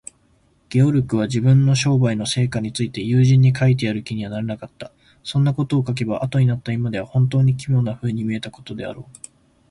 ゲオルクは、自分の商売の成果について友人に書いてやる気にはなれなかった。そんなことを書けば、あとになった今では、ほんとうに奇妙なふうに見えたことであろう。